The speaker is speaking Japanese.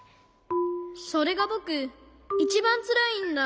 それがぼくいちばんつらいんだ。